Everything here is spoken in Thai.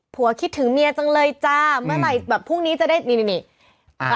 คิดถึงเมียจังเลยจ้าเมื่อไหร่แบบพรุ่งนี้จะได้นี่นี่นี่อ่า